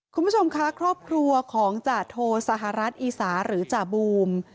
คุณผู้ชมคะครอบครัวของจาโทสหรัฐอีสาหรือจ่าบูม